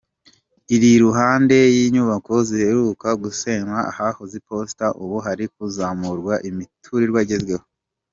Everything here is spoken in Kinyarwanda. Iri iruhande y’inyubako ziheruka gusenywa ahahoze iposita, ubu hari kuzamurwa imiturirwa igezweho.